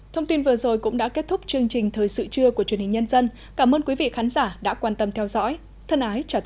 thông tin vừa rồi cũng đã kết thúc chương trình thời sự trưa của truyền hình nhân dân cảm ơn quý vị khán giả đã quan tâm theo dõi thân ái chào tạm biệt